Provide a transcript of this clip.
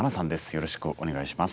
よろしくお願いします。